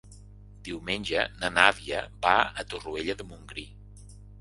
Diumenge na Nàdia va a Torroella de Montgrí.